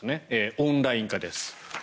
オンライン化です。